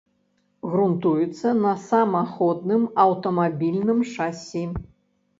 Грунтуецца на самаходным аўтамабільным шасі.